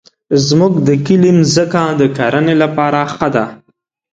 زمونږ د کلي مځکه د کرنې لپاره ښه ده.